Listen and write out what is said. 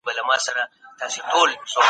په بریالي څېړونکي کې باید ښه صفتونه وي.